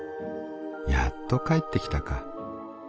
やっと帰ってきたか。